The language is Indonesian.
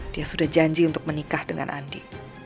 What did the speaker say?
dia sudah janji untuk menikah dengan andi